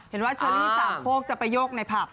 เห็นว่าเชอรี่สามโคกจะไปยกในภาพ